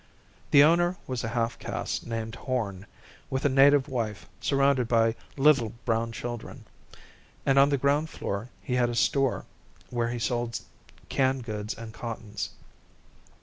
The owner was a half caste named Horn, with a native wife surrounded by little brown children, and on the ground floor he had a store where he sold canned goods and cottons.